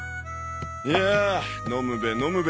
いや飲むベ飲むベ。